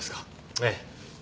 ええ。